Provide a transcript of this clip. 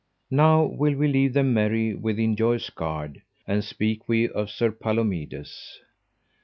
Now will we leave them merry within Joyous Gard, and speak we of Sir Palomides.